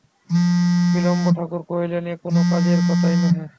বিল্বন ঠাকুর কহিলেন, এ কোনো কাজের কথাই নহে।